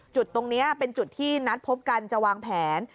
จุดตรงนี้เป็นจุดที่นัดพบกันจะวางแผน